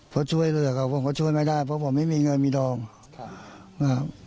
เพราะช่วยเหลือเขาผมก็ช่วยไม่ได้เพราะผมไม่มีเงินมีดอมนะครับ